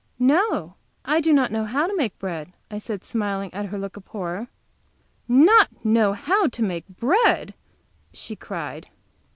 "No, I do not know how to make bread," I said, smiling at her look of horror. "Not know how to make bread?" she cried.